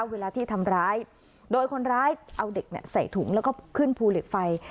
เวลาที่ทำร้ายโดยคนร้ายเอาเด็กใส่ถุงแล้วก็ขึ้นภูเหล็กไฟ